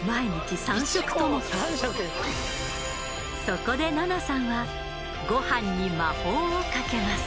そこで菜那さんはゴハンに魔法をかけます。